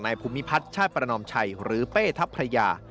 ภูมิพัฒน์ชาติประนอมชัยหรือเป้ทัพพระยา